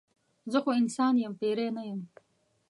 زه خو انسان یم پیری نه یم.